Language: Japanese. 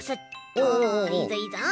おいいぞいいぞ！